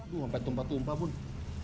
duh sampai tumpah tumpah bunda